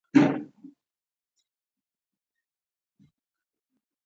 کولمب هغه ځای د غرب هند په نامه یاد کړ.